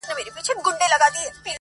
خوبيا هم ستا خبري پټي ساتي.